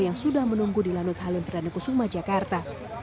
yang sudah menunggu di lanut halim perdana kusuma jakarta